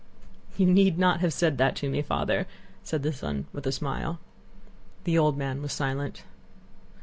"You need not have said that to me, Father," said the son with a smile. The old man was silent.